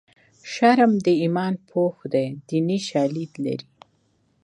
شرم د ایمان پوښ دی دیني شالید لري